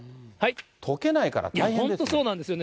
とけないから大変ですね。